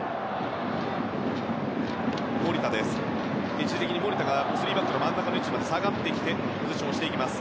一時的に守田がスリーバックの真ん中の位置まで下がってポゼッションしていきます。